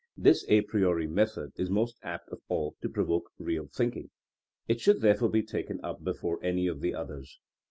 This a priori method is most apt of all to pro voke real thinking. It should therefore be taken up before any of the others.